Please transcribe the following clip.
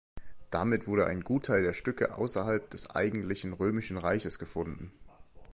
Damit wurde ein Gutteil der Stücke außerhalb des eigentlichen Römischen Reiches gefunden.